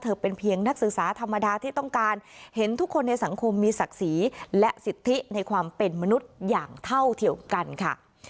เป็นเพียงนักศึกษาธรรมดาที่ต้องการเห็นทุกคนในสังคมมีศักดิ์ศรีและสิทธิในความเป็นมนุษย์อย่างเท่าเทียมกันค่ะ